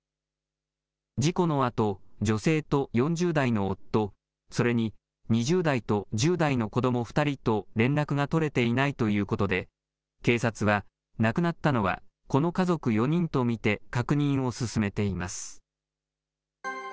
事故のあと、女性と４０代の夫、それに２０代と１０代の子ども２人と連絡が取れていないということで、警察は亡くなったのはこの家族４人と見て確認を進めています。